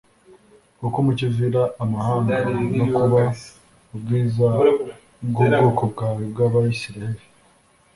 kuba umucyo uvira amahanga no kuba ubwiza bw'ubwoko bwawe bw'Abasirayeli.»